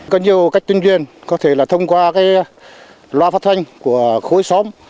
có nhiều cách tuyên truyền có thể là thông qua loa phát thanh của khối xóm